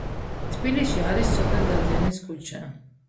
თბილისში არის ცოტნე დადიანის ქუჩა.